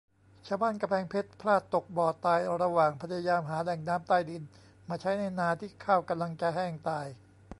ชาวบ้านกำแพงเพชร พลาดตกบ่อตาย ระหว่างพยายามหาแหล่งน้ำใต้ดิน มาใช้ในนาที่ข้าวกำลังจะแห้งตาย